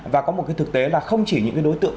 và có một cái thực tế là không chỉ những cái đối tượng